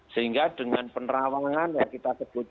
sehingga dengan penerawangan yang kita sebut